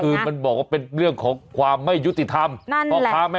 คือมันบอกว่าเป็นเรื่องของความไม่ยุติธรรม